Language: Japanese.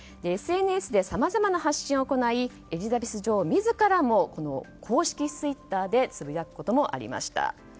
ＳＮＳでさまざまな発信を行いエリザベス女王自らも公式ツイッターでつぶやくこともありました。